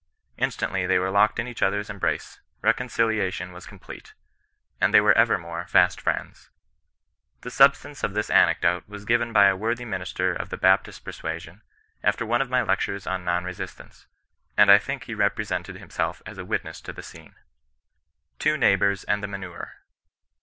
Instantly they were locked in each other's embrace; reconciliation was complete; and they were evermore fast friends. The substance of this anecdote was given by a worthy minister of the Baptist persua sion, after one of my lectures on non resistance ; and I thiok he represented himself as a witness of the scene. TWO NEIGHBOURS AND THE MANURE.